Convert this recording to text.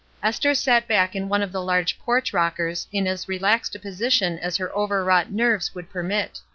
Esther sat back in one of the large porch rockers in as relaxed a position as her overwrought nerves would permit.